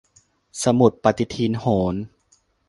สมุดปฏิทินโหร